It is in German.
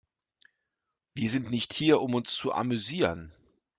Wir sind nicht hier, um uns zu amüsieren.